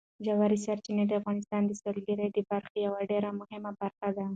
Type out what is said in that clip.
ژورې سرچینې د افغانستان د سیلګرۍ د برخې یوه ډېره مهمه برخه ده.